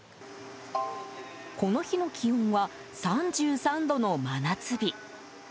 この日の気温は３３度の真夏日。